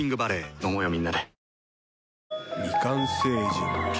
飲もうよみんなで。